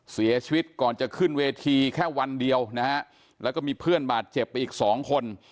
เสียชีวิตก่อนจะขึ้นเวทีแค่วันเดียวนะฮะแล้วก็มีเพื่อนบาดเจ็บไปอีกสองคน